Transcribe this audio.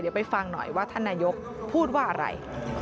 เดี๋ยวไปฟังหน่อยว่าท่านนายกพูดว่าอะไร